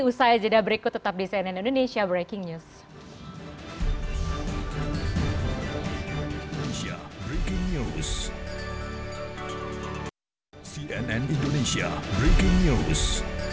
usaha ejadah berikut tetap di cnn indonesia breaking news